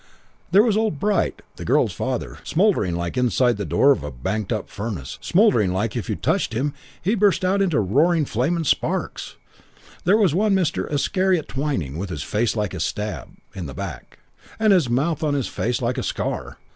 There was old Bright, the girl's father, smouldering like inside the door of a banked up furnace; smouldering like if you touched him he'd burst out into roaring flame and sparks. There was Mr. Iscariot Twyning with his face like a stab in the back and his mouth on his face like a scar.